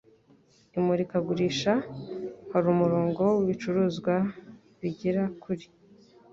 Imurikagurisha hari umurongo wibicuruzwa bigera kuri